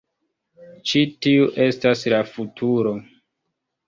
Ĉi tiu estas la futuro.